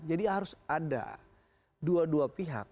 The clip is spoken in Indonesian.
jadi harus ada dua dua pihak